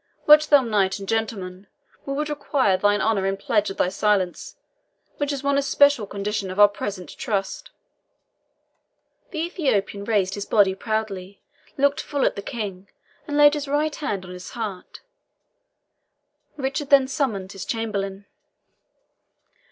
Wert thou knight and gentleman, we would require thine honour in pledge of thy silence, which is one especial condition of our present trust." The Ethiopian raised his body proudly, looked full at the King, and laid his right hand on his heart. Richard then summoned his chamberlain.